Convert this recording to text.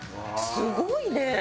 すごいね！